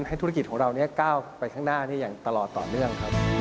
ธุรกิจของเราก้าวไปข้างหน้าอย่างตลอดต่อเนื่องครับ